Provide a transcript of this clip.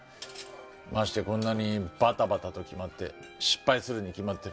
ましてこんなにバタバタと決まって失敗するに決まってる。